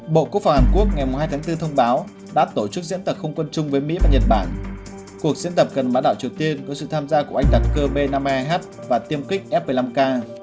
bộ quốc phòng hàn quốc ngày hai tháng bốn thông báo đã tổ chức diễn tập không quân chung với mỹ và nhật bản cuộc diễn tập gần bãi đảo triều tiên có sự tham gia của ánh đặc cơ b năm mươi hai h và tiêm kích f một mươi năm k